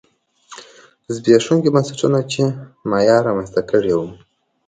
زبېښونکي بنسټونه چې مایا رامنځته کړي وو